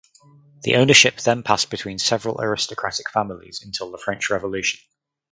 The ownership then passed between several aristocratic families until the French Revolution.